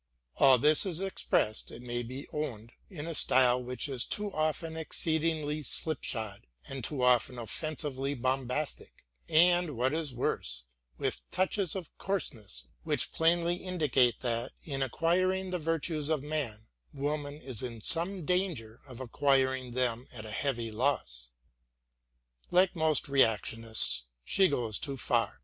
All this is expressed, it must be owned, in a style which is too often exceedingly •" Advice to a Lady." MARY WOLLSTONECRAFT 97 slipshod and too often offensively bombastic, and, what is worse, with touches of coarseness which plainly indicate that, in acquiring the virtues of man, woman is in some danger of acquiring them at a heavy loss. Like most reactionists she goes too far.